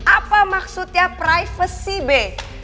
apa maksudnya privacy be